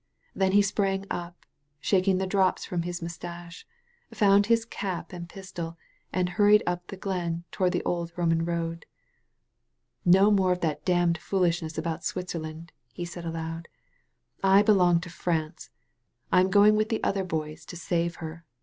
Then he sprang up, shaking the drops from his mustache^ found his cap and pistol, and hurried up the glen toward the old Roman road. '^No more of that danmed foolishness about Switzerland," he said, aloud. '^I belong to France. I am going with the other boys to save her.